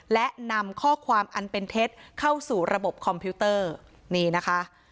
และนำข้อความอันเป็นเท็จเข้าสู่ระบบคอมพิวเตอร์นี่นะคะ